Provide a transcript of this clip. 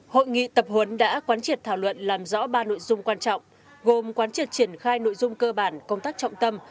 hội nghị tập huấn đã quán triệt thảo luận làm rõ ba nội dung quan trọng gồm quán triệt triển khai nội dung cơ bản công tác trọng tâm